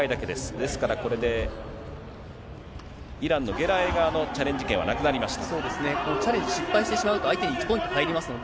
ですからこれで、イランのゲラエイ側のチャレンジ権はなくなりました。